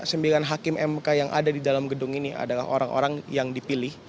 sembilan hakim mk yang ada di dalam gedung ini adalah orang orang yang dipilih